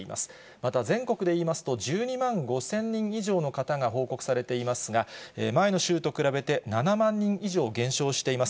また全国でいいますと、１２万５０００人以上の方が報告されていますが、前の週と比べて７万人以上減少しています。